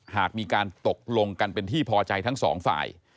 หากมีการตกลงกันเป็นที่พอใจทั้งสองฝ่าย